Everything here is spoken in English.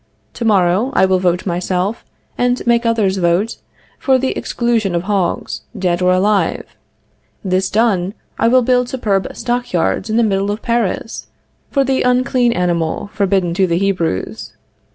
To morrow I will vote myself, and make others vote, for the exclusion of hogs, dead or alive; this done, I will build superb stock yards in the middle of Paris "for the unclean animal forbidden to the Hebrews."